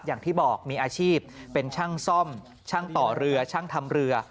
อย่างที่บอกมีอาชีพเป็นช่างซ่อมช่างต่อเรือช่างทำเรือ